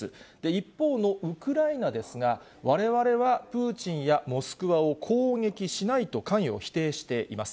一方のウクライナですが、われわれは、プーチンやモスクワを攻撃しないと、関与を否定しています。